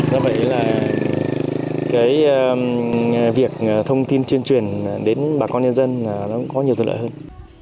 do vậy là việc thông tin chuyên truyền đến bà con nhân dân có nhiều tự lợi hơn